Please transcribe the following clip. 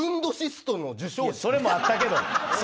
それもあったけど！